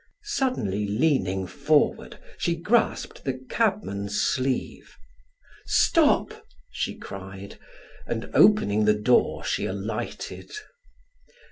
Suddenly leaning forward she grasped the cabman's sleeve. "Stop!" she cried, and opening the door, she alighted.